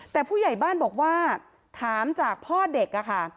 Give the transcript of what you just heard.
แต่ผู้ใหญ่บ้านบอกว่าถามจากพ่อเด็กค่ะ